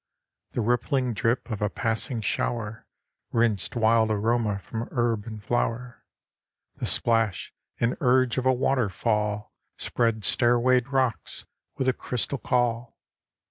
The rippling drip of a passing shower Rinsed wild aroma from herb and flower. The splash and urge of a waterfall Spread stairwayed rocks with a crystal caul.